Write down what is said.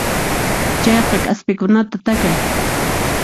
Chaqay k'aspikunata takay.